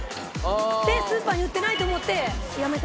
でスーパーに売ってないと思ってやめた。